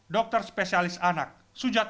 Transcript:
dokter spesialis anak sujata